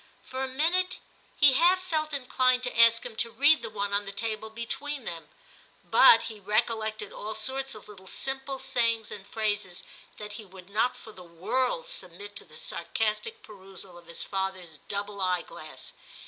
For a minute he half felt inclined to ask him to read the one on the table between them, but he recollected all sorts of little simple sayings and phrases that he would not for the world submit to the sarcastic perusal of his father's double eyeglass.